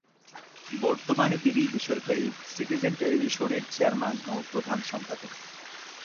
বর্তমানে তিনি বেসরকারি সিটিজেন টেলিভিশনের চেয়ারম্যান ও প্রধান সম্পাদক।